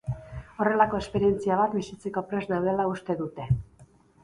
Horrelako esperientzia bat bizitzeko prest daudela uste dute.